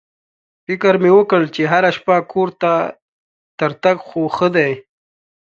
فکر مې وکړ چې هره شپه کور ته تر تګ خو ښه دی.